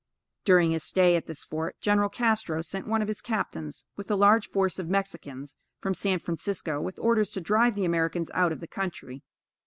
During his stay at this fort, General Castro sent one of his captains, with a large force of Mexicans, from San Francisco, with orders to drive the Americans out of the country.